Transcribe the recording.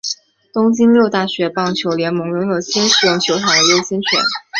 东京六大学棒球联盟拥有使用球场的优先权。